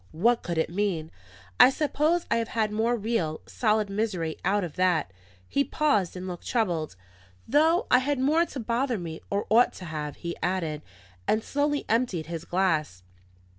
What could it mean? I suppose I have had more real, solid misery out of that ..." He paused, and looked troubled. "Though I had more to bother me, or ought to have," he added, and slowly emptied his glass.